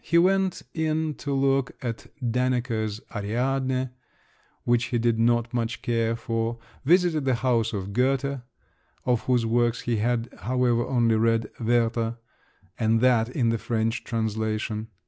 He went in to look at Danneker's Ariadne, which he did not much care for, visited the house of Goethe, of whose works he had, however, only read Werter, and that in the French translation.